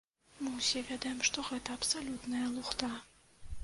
Мы ўсе ведаем, што гэта абсалютная лухта.